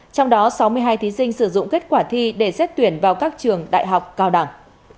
trong đó sáu mươi hai thí sinh sử dụng kết quả thi để xét tuyển vào các trường đại học cao đẳng